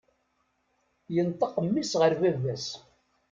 Yenṭeq mmi-s ɣer baba-s.